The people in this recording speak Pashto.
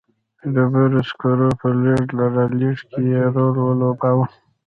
د ډبرو سکرو په لېږد رالېږد کې یې رول ولوباوه.